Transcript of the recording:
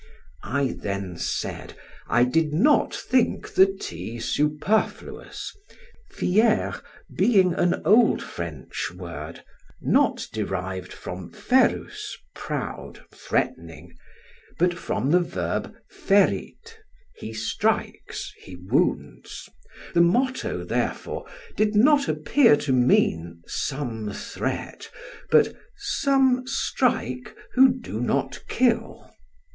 I then said, I did not think the 't' superfluous, 'fiert' being an old French word, not derived from the noun 'ferus', proud, threatening; but from the verb 'ferit', he strikes, he wounds; the motto, therefore, did not appear to mean, some threat, but, 'Some strike who do not kill'.